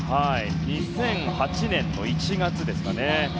２００８年の１月でした。